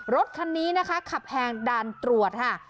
รถคันนี้นะคะขับแหกด่านตรวจค่ะ